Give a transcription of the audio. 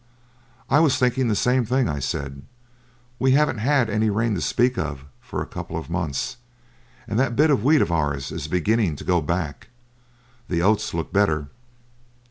'I was thinking the same thing,' I said. 'We haven't had any rain to speak of for a couple of months, and that bit of wheat of ours is beginning to go back. The oats look better.'